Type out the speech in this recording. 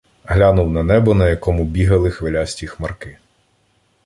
Глянув на небо, на якому бігали хвилясті хмарки.